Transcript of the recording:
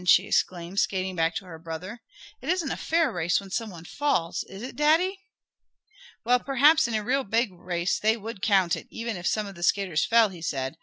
she exclaimed, skating back to her brother, "It isn't a fair race when some one falls; is it Daddy?" "Well, perhaps in a real big race they would count it, even if some of the skaters fell," he said.